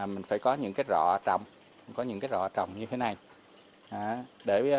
mình phải có những cái rọ trồng có những cái rọ trồng như thế này để